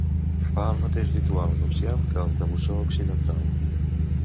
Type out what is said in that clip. Fa el mateix ritual nupcial que el cabussó occidental.